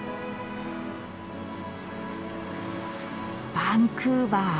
バンクーバー。